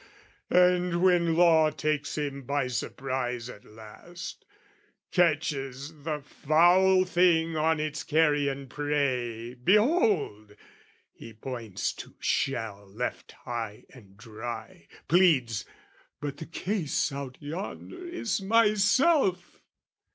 And when Law takes him by surprise at last, Catches the foul thing on its carrion prey, Behold, he points to shell left high and dry, Pleads "But the case out yonder is myself!"